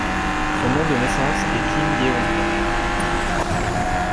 Son nom de naissance est Kim Yeong-tak.